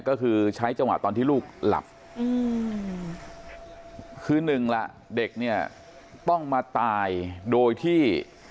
ก็คือใช้จังหวะตอนที่ลูกหลับคือหนึ่งล่ะเด็กเนี่ยต้องมาตายโดยที่